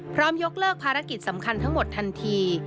ยกเลิกภารกิจสำคัญทั้งหมดทันที